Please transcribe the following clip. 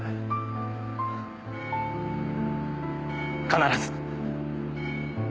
必ず。